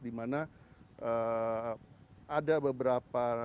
di mana ada beberapa